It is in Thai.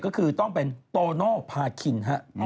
ก็คือต้องเป็นโตโน่พาคินฮะ